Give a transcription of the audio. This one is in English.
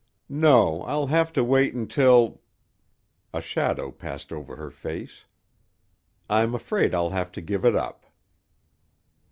"No, I'll have to wait until—" A shadow passed over her face. "I'm afraid I'll have to give it up."